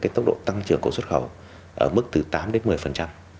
tốc độ tăng trưởng của xuất khẩu ở mức từ tám đến một mươi